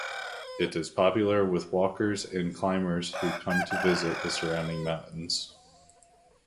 It is popular with walkers and climbers who come to visit the surrounding mountains.